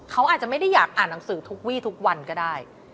เขาอาจจะไม่ได้อยากอ่านหนังสือทุกวี่ทุกวันก็ได้